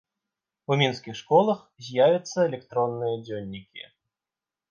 У мінскіх школах з'явяцца электронныя дзённікі.